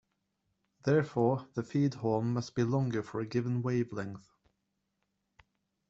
Therefore, the feed horn must be longer for a given wavelength.